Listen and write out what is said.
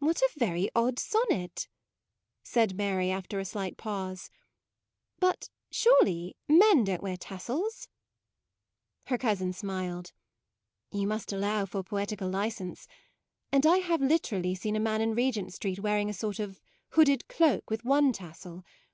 "What a very odd sonnet ": said Mary after a slight pause: but surely men don't wear tassels." MAUDE 31 Her cousin smiled: " You must allow for poetical licence ; and I have literally seen a man in Regent Street wearing a sort of hooded cloak with one tassel.